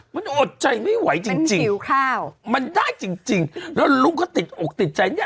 มันอดใจไม่ไหวจริงมันได้จริงแล้วลุงก็ติดออกติดใจ